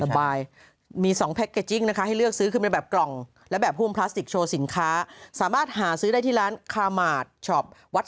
สืบไพมีสองแพ็คแก๊กจิ้งนะคะให้เลือกซื้อเป็นแบบกล่องและแบบพุมพลาสติกโชว์สินค้าสามารถหาซื้อได้ที่ร้านคลามาจะดบุ๊บ